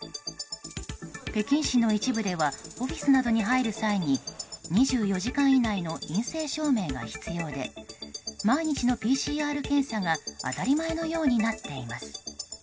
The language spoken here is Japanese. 北京市の一部ではオフィスなどに入る際に２４時間以内の陰性証明が必要で毎日のＰＣＲ検査が当たり前のようになっています。